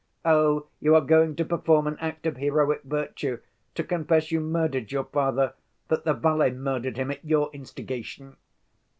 'Oh, you are going to perform an act of heroic virtue: to confess you murdered your father, that the valet murdered him at your instigation.